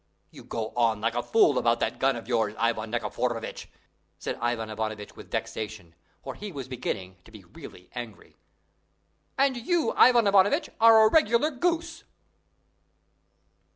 "You go on like a fool about that gun of yours, Ivan Nikiforovitch," said Ivan Ivanovitch with vexation; for he was beginning to be really angry. "And you, Ivan Ivanovitch, are a regular goose!"